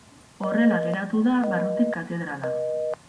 Horrela geratu da barrutik katedrala.